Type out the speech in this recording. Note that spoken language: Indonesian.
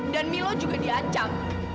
dan milo juga diacam